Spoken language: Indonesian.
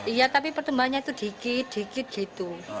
iya tapi pertumbuhannya itu dikit dikit gitu